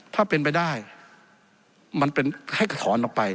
ถ้าเป็นไปได้มันเป็นให้ถอนออกไป